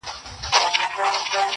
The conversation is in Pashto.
پلار په یو وخت په مکتب کي شامل کړله.